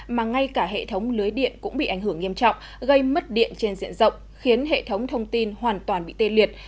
mà ngay cả hệ thống lưới điện cũng bị ảnh hưởng nghiêm trọng gây mất điện trên diện rộng khiến hệ thống thông tin hoàn toàn bị tê liệt